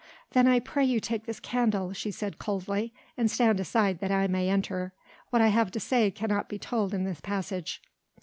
"Then I pray you take this candle," she said coldly, "and stand aside that I may enter. What I have to say cannot be told in this passage."